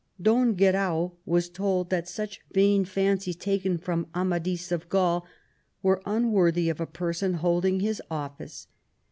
Don Guerau was told that "such vain fancies taken from Amadis of Gaul were unworthy of a person holding his office.